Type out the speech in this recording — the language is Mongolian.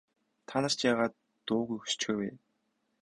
Та нар чинь яагаад дуугүй хөшчихөө вэ?